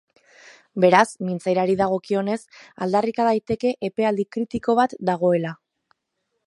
Beraz, mintzairari dagokionez, aldarrika daiteke epealdi kritiko bat dagoela.